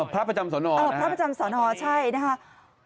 พระประจำสอนอนะครับพระประจำสอนอใช่นะครับพระประจำสอนอ